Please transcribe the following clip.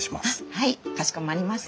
はいかしこまりました。